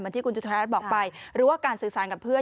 ที่คุณจุธารัฐบอกไปหรือว่าการสื่อสารกับเพื่อน